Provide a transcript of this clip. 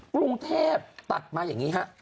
กรุงเทพตัดมาอย่างนี้ฮะ